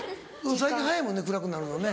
最近早いもんね暗くなるのね。